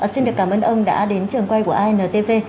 xin được cảm ơn ông đã đến trường quay của intv